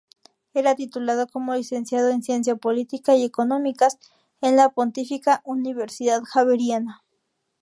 Era titulado como licenciado en ciencia política y económicas en la Pontificia Universidad Javeriana.